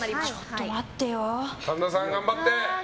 神田さん、頑張って！